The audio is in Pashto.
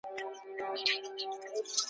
په لرغونو شعري دیوانونو کې بېلابېلې چاپونې شته.